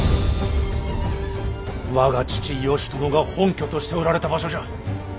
我が父義朝が本拠としておられた場所じゃ。